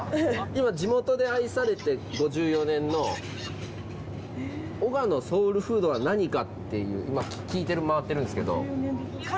今地元で愛されて５４年の男鹿のソウルフードは何かっていう聞いて回ってるんですけど。